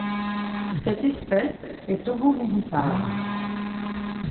Cette espèce est ovovivipare.